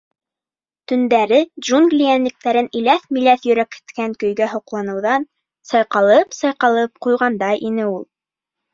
Төндәре джунгли йәнлектәрен иләҫ-миләҫ йөрәкһеткән көйгә һоҡланыуҙан сайҡалып-сайҡалып ҡуйғандай ине ул.